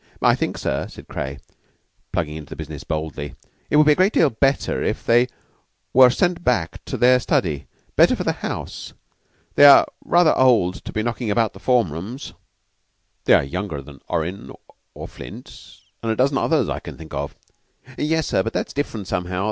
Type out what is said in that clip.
"I think, sir," said Craye, plunging into the business boldly, "it would be a great deal better if they were sent back to their study better for the house. They are rather old to be knocking about the form rooms." "They are younger than Orrin, or Flint, and a dozen others that I can think of." "Yes, sir; but that's different, somehow.